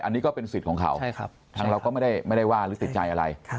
อันนี้ก็เป็นสิทธิ์ของเขาทางเราก็ไม่ได้ว่าหรือติดใจอะไร